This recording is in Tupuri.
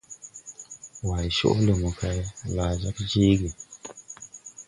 Way coʼ le mokay la, laa jag jeege.